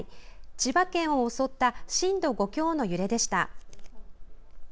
千葉県を襲った震度５強の揺れでした。